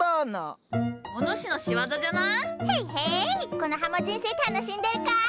コノハも人生楽しんでるかい？